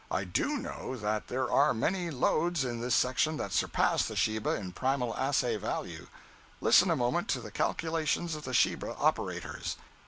I do know that there are many lodes in this section that surpass the Sheba in primal assay value. Listen a moment to the calculations of the Sheba operators.